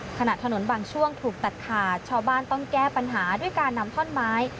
ขณะถนนบางช่วงถูกตัดขาดชาวบ้านต้องแก้ปัญหาด้วยการนำท่อนไม้